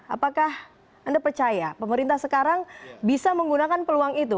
apakah anda percaya pemerintah sekarang bisa menggunakan peluang itu